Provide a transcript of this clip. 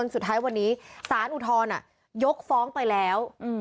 สุดท้ายวันนี้สารอุทธรณ์ยกฟ้องไปแล้ว